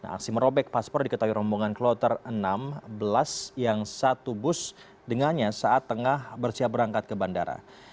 aksi merobek paspor diketahui rombongan kloter enam belas yang satu bus dengannya saat tengah bersiap berangkat ke bandara